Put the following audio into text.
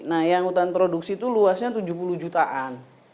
nah yang hutan produksi itu luasnya tujuh puluh jutaan